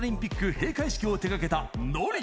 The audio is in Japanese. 閉会式を手がけたＮＯＲＩ。